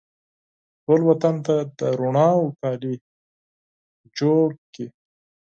ټول وطن ته د روڼاوو کالي جوړکړي